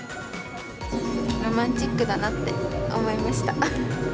ロマンチックだなって思いました。